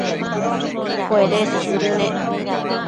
cuedes cuëdënec